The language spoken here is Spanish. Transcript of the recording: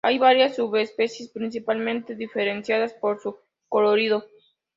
Hay varias subespecie, principalmente diferenciadas por su colorido.